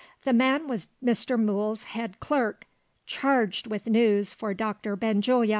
The man was Mr. Mool's head clerk, charged with news for Doctor Benjulia.